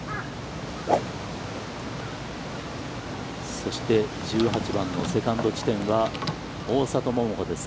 そして、１８番のセカンド地点は、大里桃子です。